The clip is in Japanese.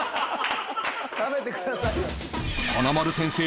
食べてください。